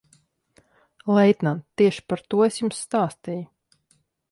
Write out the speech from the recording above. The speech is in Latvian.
Leitnant, tieši par to es jums stāstīju.